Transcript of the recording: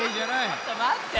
ちょっとまって。